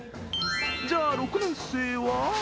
じゃあ、６年生は？